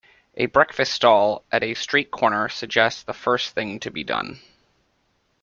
A breakfast-stall at a street-corner suggests the first thing to be done.